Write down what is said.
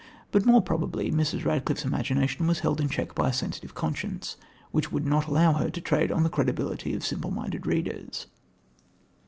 But more probably Mrs. Radcliffe's imagination was held in check by a sensitive conscience, which would not allow her to trade on the credulity of simple minded readers.